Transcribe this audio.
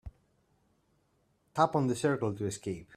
Tap on the circle to escape.